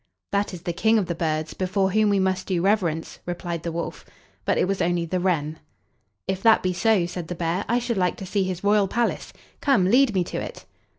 "That is the King of the birds, before whom we must do reverence," replied the wolf; but it was only the wren. "If that be so," said the bear, "I should like to see his royal palace; come, lead me to it."